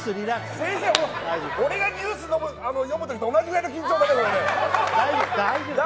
先生、先生、俺がニュース読むときと同じぐらいの緊張だけど。